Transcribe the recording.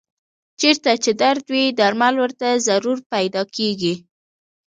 چېرته چې درد وي درمل ورته ضرور پیدا کېږي.